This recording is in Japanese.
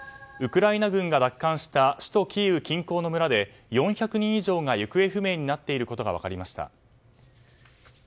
ウクライナ軍が奪還した首都キーウ近郊の村で４００人以上が行方不明になっていることが分かりました。